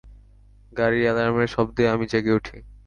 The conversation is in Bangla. গাড়ির এলার্মের শব্দে আমি জেগে উঠি।